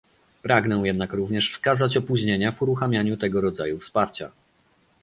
Pragnę jednak również wskazać opóźnienia w uruchamianiu tego rodzaju wsparcia